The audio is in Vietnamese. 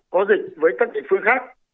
có dịch với các địa phương khác